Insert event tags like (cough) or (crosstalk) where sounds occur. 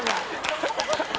ハハハ (laughs)